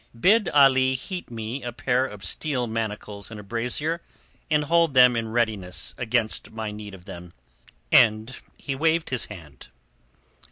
"Bid Ali heat me a pair of steel manacles in a brazier and hold them in readiness against my need of them." And he waved his hand.